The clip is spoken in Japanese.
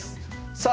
さあ